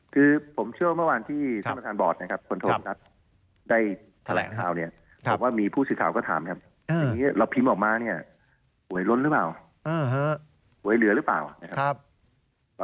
คือผมเชื่อว่าเมื่อวานที่ที่ประดานบอร์ตอะไรครับ